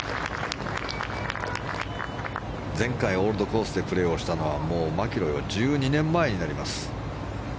前回、オールドコースでプレーをしたのはマキロイは１２年前になります。